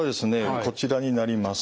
こちらになります。